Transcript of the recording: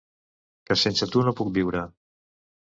Que sense tu no puc viure.